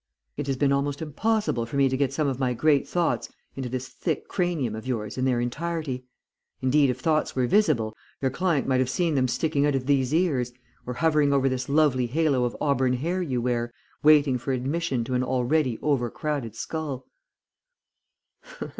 It has been almost impossible for me to get some of my great thoughts into this thick cranium of yours in their entirety, indeed if thoughts were visible, your client might have seen them sticking out of these ears, or hovering above this lovely halo of auburn hair you wear, waiting for admission to an already overcrowded skull.'